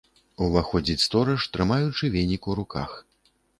Уваходзіць стораж, трымаючы венік у руках.